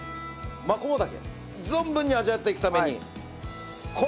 マコモダケ存分に味わっていくために。